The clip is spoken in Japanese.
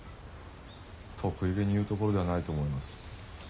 得意げに言うところではないと思います。